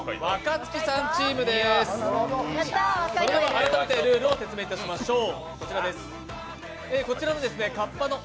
改めてルールを説明いたしましょう。